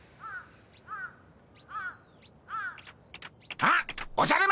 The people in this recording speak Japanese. あっおじゃる丸。